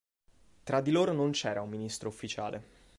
Tra di loro non c'era un ministro ufficiale.